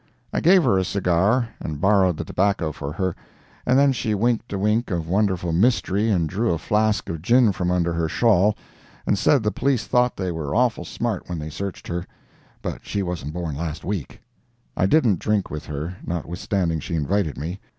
I gave her a cigar and borrowed the tobacco for her, and then she winked a wink of wonderful mystery and drew a flask of gin from under her shawl, and said the police thought they were awful smart when they searched her, but she wasn't born last week. I didn't drink with her, notwithstanding she invited me.